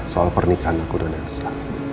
soal pernikahan aku dan elsa